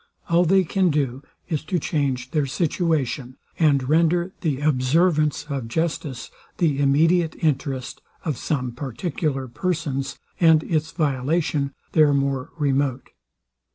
All they can do is to change their situation, and render the observance of justice the immediate interest of some particular persons, and its violation their more remote.